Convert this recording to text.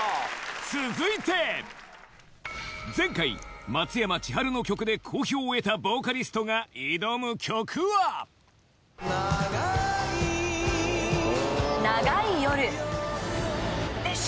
続いて前回松山千春の曲で好評を得たボーカリストが挑む曲は熱唱！